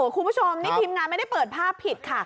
คุณผู้ชมนี่ทีมงานไม่ได้เปิดภาพผิดค่ะ